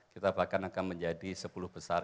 kita bahkan akan menjadi sepuluh besar